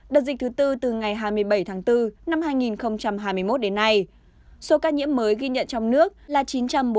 đợt dịch thứ tư từ ngày hai mươi bảy tháng bốn năm hai nghìn hai mươi một đến nay số ca nhiễm mới ghi nhận trong nước là chín trăm bốn mươi tám sáu trăm bốn mươi sáu ca